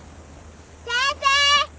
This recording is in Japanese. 先生！